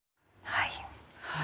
はい。